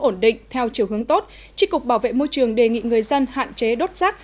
ổn định theo chiều hướng tốt tri cục bảo vệ môi trường đề nghị người dân hạn chế đốt rác